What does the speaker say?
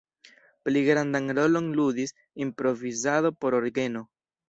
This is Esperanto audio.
Pli grandan rolon ludis improvizado por orgeno.